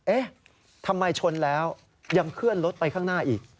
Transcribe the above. เอ๊ะทำไมชนแล้วยังเคลื่อนรถไปข้างหน้าอีก